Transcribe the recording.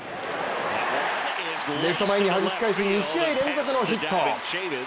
レフト前にはじき返し、２試合連続のヒット。